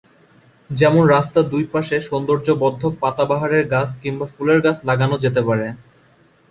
যেমন রাস্তার দুই পাশে সৌন্দর্যবর্ধক পাতাবাহারের গাছ কিংবা ফুলের গাছ লাগানো যেতে পারে।